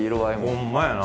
ほんまやな。